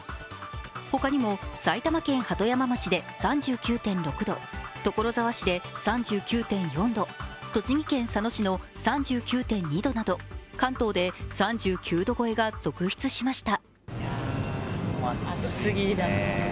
他にも埼玉県鳩山町で３９．６度所沢市で３９．４度、栃木県佐野市の３９．２度など関東で３９度超えが続出しました。